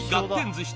寿司